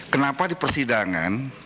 kenapa di persidangan